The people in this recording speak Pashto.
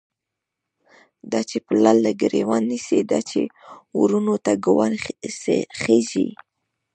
دا چی پلار له گریوان نیسی، دا چی وروڼو ته گوا ښیږی